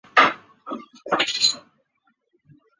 在场上的位置是后卫。